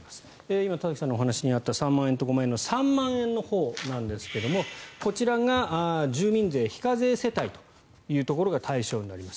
今、田崎さんのお話にあった３万円と５万円の３万円のほうなんですがこちらが住民税非課税世帯というのが対象になります。